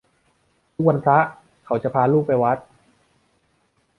ทุกวันพระเขาจะพาลูกไปวัด